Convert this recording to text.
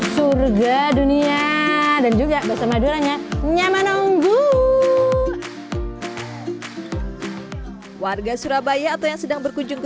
surga dunia dan juga bersama duranya nyamanonggu warga surabaya atau yang sedang berkunjung ke